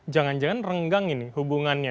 jangan jangan renggang ini hubungannya